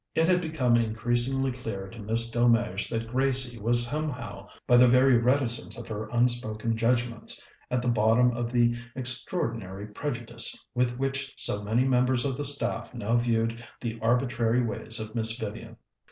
It had become increasingly clear to Miss Delmege that Gracie was somehow, by the very reticence of her unspoken judgments, at the bottom of the extraordinary prejudice with which so many members of the staff now viewed the arbitrary ways of Miss Vivian.